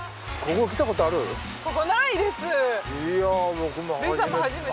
僕も初めて。